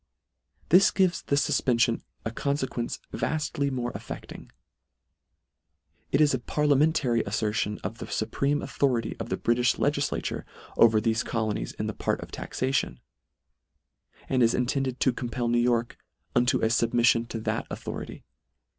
This gives the fufpeniion a confequence vaftly more afFefting. It is a parliamentary aifertion of the fnpre me autho rity of the Britijh legijlature over thefe colo nies in the part of taxation ; and is intend ed to compel New York unto a fubmiflion to that authority.